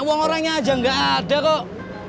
uang orangnya aja nggak ada kok